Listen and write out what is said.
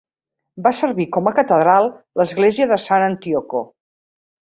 Va servir com a catedral l'església de Sant'Antioco.